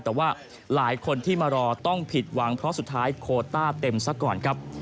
แต่ว่าหลายคนที่มารอต้องผิดหวังเพราะสุดท้ายโคต้าเต็มซะก่อนครับ